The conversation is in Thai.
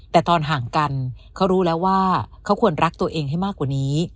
แต่ตอนห่างกันเขารู้แล้วว่าเขาควรรักตัวเองให้มากกว่านี้